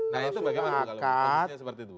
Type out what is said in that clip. nah itu bagaimana kalau kasusnya seperti itu